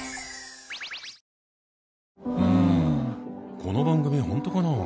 この番組本当かな？